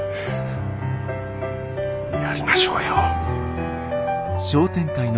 やりましょうよ。